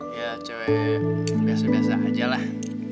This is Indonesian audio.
ya cewek biasa biasa aja lah